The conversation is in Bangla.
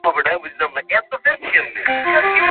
নক্ষত্ররায় খানিকটা হাঁ করিয়া রহিলেন।